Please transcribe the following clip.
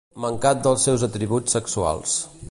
Mancat dels seus atributs sexuals.